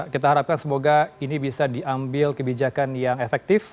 kita harapkan semoga ini bisa diambil kebijakan yang efektif